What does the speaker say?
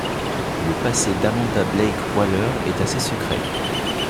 Le passé d'Amanda Blake Waller est assez secret.